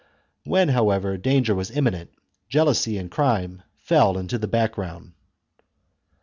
When, however, danger was imminent, jealousy and crime fell into the background.